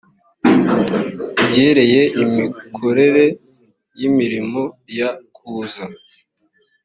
ibyereye imikorere y imirimo ya kuza